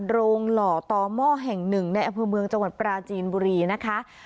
หล่อต่อหม้อแห่งหนึ่งในอำเภอเมืองจังหวัดปราจีนบุรีนะคะ